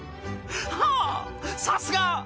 はあさすが！